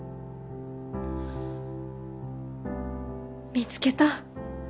見つけた。